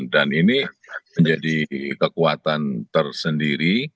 dan ini menjadi kekuatan tersendiri